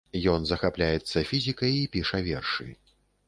Ён захапляецца фізікай і піша вершы.